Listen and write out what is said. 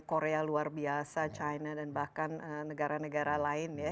korea luar biasa china dan bahkan negara negara lain ya